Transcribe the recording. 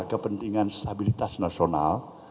kepentingan stabilitas nasional